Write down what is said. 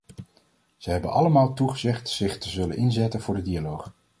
Zij hebben allemaal toegezegd zich te zullen inzetten voor de dialoog.